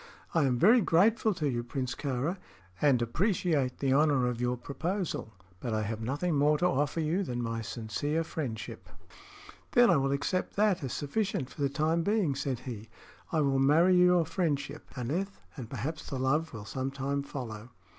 "I am very grateful to you, Prince Kāra, and appreciate the honor of your proposal; but I have nothing more to offer you than my sincere friendship." "Then I will accept that as sufficient for the time being," said he. "I will marry your friendship, Aneth, and perhaps the love will some time follow."